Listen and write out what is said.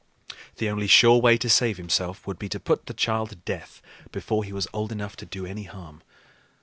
The only sure way to save himself would be to put the child to death before he was old enough to do any harm.